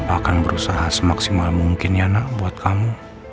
akan berusaha semaksimal mungkin ya nak buat kamu